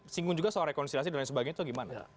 singgung juga soal rekonsiliasi dan lain sebagainya itu gimana